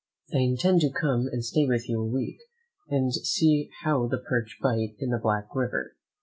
I intend to come and stay with you a week, and see how the perch bite in the Black River.